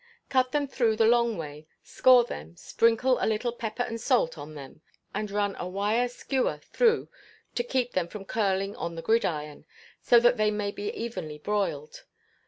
Cut them through the long way, score them, sprinkle a little pepper and salt on them, and run a wire skewer through to keep them from curling on the gridiron, so that they may be evenly broiled.